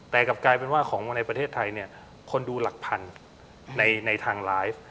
แต่กลับกลายเป็นว่าของในประเทศไทยเนี่ยคนดูหลักพันในทางไลฟ์